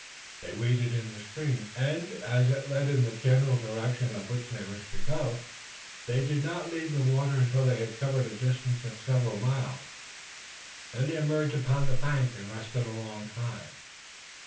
They waded in the stream, and, as it led in the general direction in which they wished to go, they did not leave the water until they had covered a distance of several miles. Then they emerged upon the bank and rested a long time.